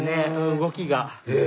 動きが。へ。